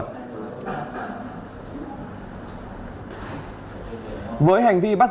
với hành vi bắt giam quang thị chỉnh đã đưa thông tin có nhiều mối quan hệ